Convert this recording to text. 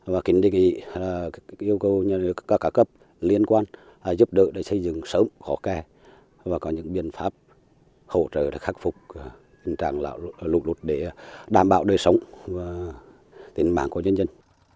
và kính đề nghị yêu cầu các cấp liên quan giúp đỡ để xây dựng sớm hò kè và có những biện pháp hỗ trợ để khắc phục tình trạng lụt lụt để đảm bảo đời sống và tiền mạng của dân dân